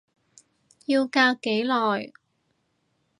要隔幾耐？